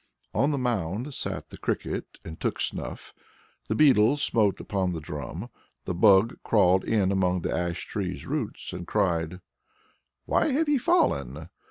On the mound sat the Cricket and took snuff. The Beetle smote upon the drum. The Bug crawled in among the ash tree's roots, and cried: "Why have ye fallen?